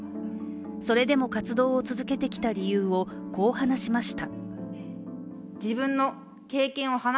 それでも活動を続けてきた理由をこう話しました。